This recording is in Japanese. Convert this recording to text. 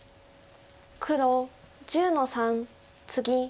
黒１０の三ツギ。